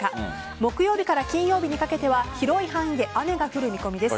木曜日から金曜日にかけては広い範囲で雨が降る見込みです。